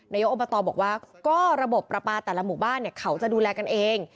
นายกอบตบอกว่าก็ระบบประปาแต่ละหมู่บ้านเนี่ยเขาจะดูแลกันเอง